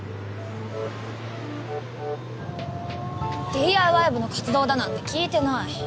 ＤＩＹ部の活動だなんて聞いてない。